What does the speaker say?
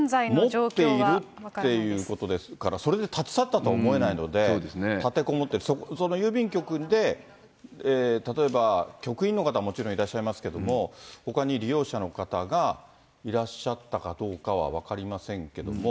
持っているっていうことですから、それで立ち去ったとは思えないので、立てこもっている、その郵便局で例えば、局員の方はもちろんいらっしゃいますけども、ほかに利用者の方がいらっしゃったかどうかは分かりませんけども。